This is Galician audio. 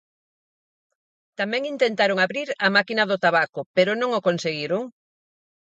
Tamén intentaron abrir a máquina do tabaco, pero non o conseguiron.